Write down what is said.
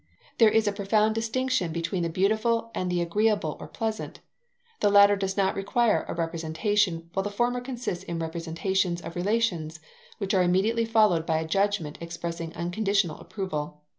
There is a profound distinction between the beautiful and the agreeable or pleasant: the latter does not require a representation, while the former consists in representations of relations, which are immediately followed by a judgment expressing unconditioned approval.